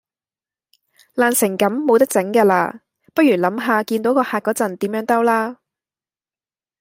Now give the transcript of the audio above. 爛成咁冇得整架喇，不如諗下見到個客嗰陣點樣兜啦